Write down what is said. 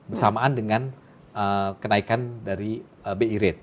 bersamaan dengan kenaikan dari bi rate